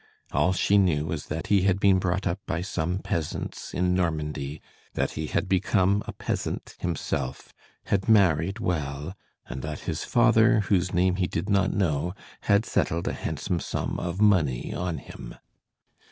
All she knew was that he had been brought up by some peasants in Normandy, that he had become a peasant himself, had married well, and that his father, whose name he did not know, had settled a handsome sum of money on him.